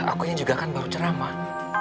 aku yang juga kan baru ceramah